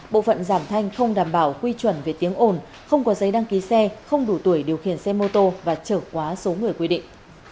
bộ phận giảm thanh không đảm bảo quy chuẩn về tiếng ồn không có giấy đăng ký xe không đủ tuổi điều khiển xe mô tô và trở quá số người quy định